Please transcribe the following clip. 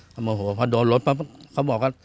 เขาโมโหเพราะโดนรถเขาบอกว่า